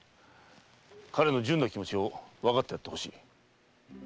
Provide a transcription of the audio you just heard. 彼の純な気持ちをわかってやってほしい。